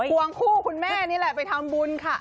วงคู่คุณแม่นี่แหละไปทำบุญค่ะ